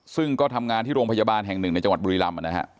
ซึ่งก็ทำงานที่โรงพยาบาลแห่งหนึ่งในจังหวัดบุรีรำนะฮะ